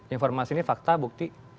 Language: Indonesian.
informasi ini fakta bukti